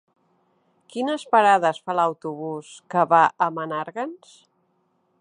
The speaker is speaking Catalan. Quines parades fa l'autobús que va a Menàrguens?